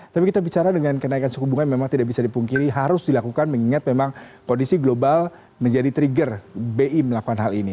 tapi kita bicara dengan kenaikan suku bunga memang tidak bisa dipungkiri harus dilakukan mengingat memang kondisi global menjadi trigger bi melakukan hal ini